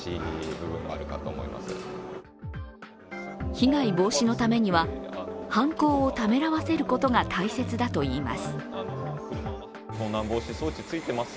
被害防止のためには、犯行をためらわせることが大切だといいます。